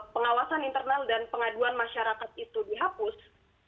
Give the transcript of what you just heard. pengawasan internal dan pengaduan masyarakat itu dihapus